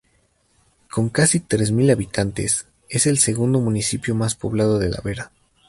Con casi tres mil habitantes, es el segundo municipio más poblado de La Vera.